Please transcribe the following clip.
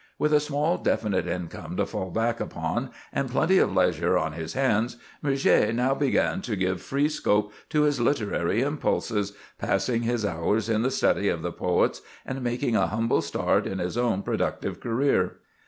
With a small definite income to fall back upon, and plenty of leisure on his hands, Murger now began to give free scope to his literary impulses, passing his hours in the study of the poets, and making a humble start in his own productive career.